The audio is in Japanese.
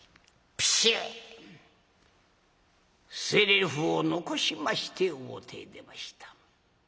捨てぜりふを残しまして表へ出ました。